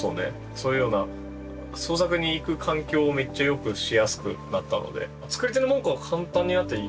そういうような創作に行く環境をめっちゃよくしやすくなったので。